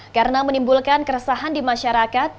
karena menimbulkan keresahan di masyarakat